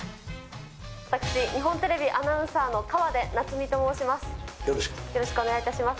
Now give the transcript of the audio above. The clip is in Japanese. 私、日本テレビアナウンサーの河出奈都美と申します。